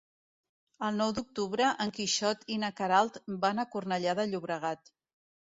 El nou d'octubre en Quixot i na Queralt van a Cornellà de Llobregat.